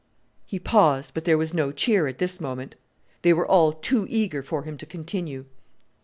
He paused; but there was no cheer at this moment. They were all too eager for him to continue.